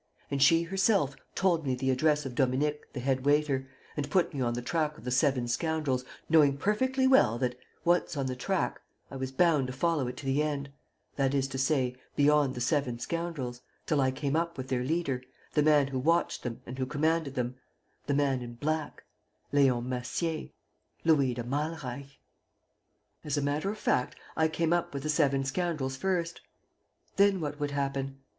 And she herself told me the address of Dominique the head waiter, and put me on the track of the seven scoundrels, knowing perfectly well that, once on the track, I was bound to follow it to the end, that is to say, beyond the seven scoundrels, till I came up with their leader, the man who watched them and who commanded them, the man in black, Leon Massier, Louis de Malreich. ... As a matter of fact, I came up with the seven scoundrels first. Then what would happen?